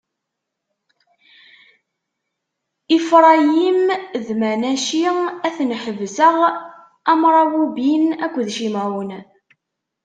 Ifṛayim d Manaci ad ten-ḥesbeɣ am Rawubin akked Cimɛun.